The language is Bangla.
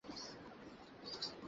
আসো জামাই বাবু।